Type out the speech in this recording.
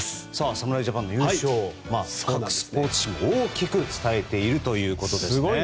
侍ジャパンの優勝各スポーツ紙も大きく伝えているということです。